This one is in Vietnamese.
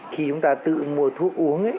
khi chúng ta tự mua thuốc uống